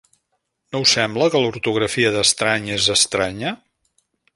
No us sembla que l'ortografia d'estrany és estranya?